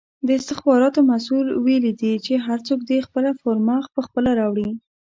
د استخباراتو مسئول ویلې دي چې هر څوک دې خپله فرمه پخپله راوړي!